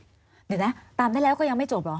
เดี๋ยวนะตามได้แล้วก็ยังไม่จบเหรอ